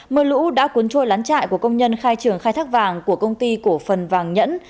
mưa lũ đã cuốn trôi lán trại của công nhân khai trường khai thác vàng của công ty cổ phần vàng nhẫn